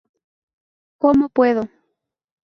Como puedo.